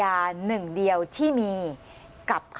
อันดับที่สุดท้าย